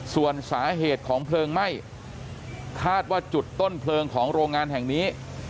ส่วนสาเหตุของเพลิงไหม้คาดว่าจุดต้นเพลิงของโรงงานแห่งนี้